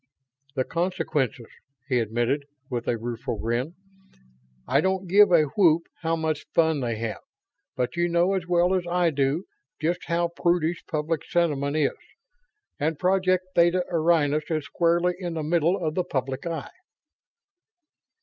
"The consequences," he admitted, with a rueful grin. "I don't give a whoop how much fun they have; but you know as well as I do just how prudish public sentiment is. And Project Theta Orionis is squarely in the middle of the public eye."